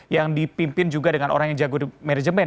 yang dipimpin juga dengan orang yang jago manajemen